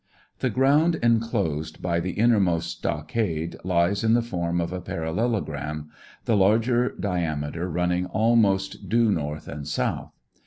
The ground enclosed by the innermost stockade lies in the form of a parallelogram, the larger diameter running almost due north and south.